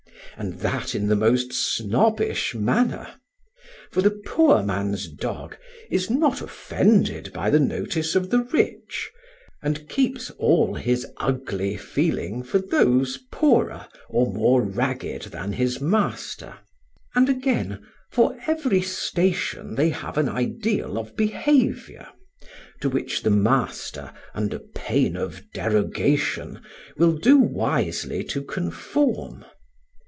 And that in the most snobbish manner; for the poor man's dog is not offended by the notice of the rich, and keeps all his ugly feeling for those poorer or more ragged than his master. And again, for every station they have an ideal of behaviour, to which the master, under pain of derogation, will do wisely to conform.